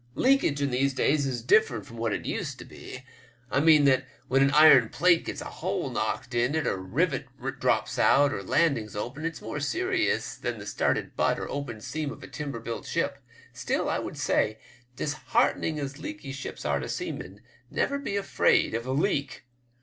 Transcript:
Leakage in these days is diifferent from what it used to be ; I mean that when an iron plate gets a hole knocked in it, or rivets drop out, or landings open, it's more serious than the started butt or opened seam of a timber built ship. StilT, I would say, disheartening as leaky ships are to seamen, never be afraid of a leak.